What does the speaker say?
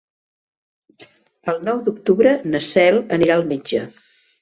El nou d'octubre na Cel anirà al metge.